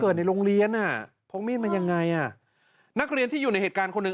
เอาไว้ว่ามีนักเรียนที่อยู่ในเหตุการณ์